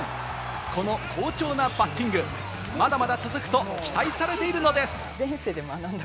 この好調なバッティング、まだまだ続くと期待されているのです。